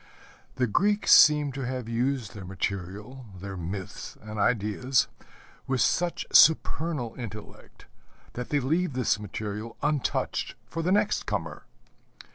The Greeks seem to have used their material, their myths and ideas, with such supernal intellect that they leave this material untouched for the next comer.